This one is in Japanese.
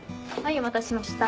お待たせしました。